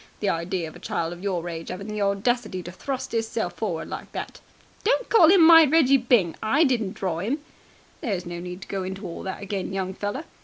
The idea of a child of your age 'aving the audacity to thrust 'isself forward like that!" "Don't call him my Reggie Byng! I didn't draw 'im!" "There's no need to go into all that again, young feller.